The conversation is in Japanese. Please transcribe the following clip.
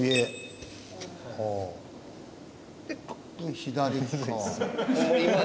左か。